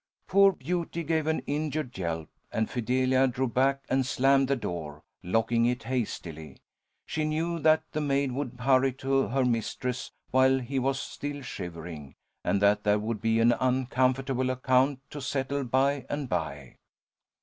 Poor Beauty gave an injured yelp, and Fidelia drew back and slammed the door, locking it hastily. She knew that the maid would hurry to her mistress while he was still shivering, and that there would be an uncomfortable account to settle by and by.